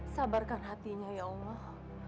sabarkan hatinya ya allah